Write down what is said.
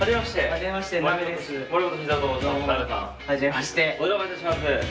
お邪魔いたします。